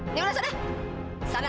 ini udah sana sana